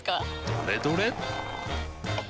どれどれっ！